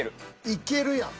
いけるやん。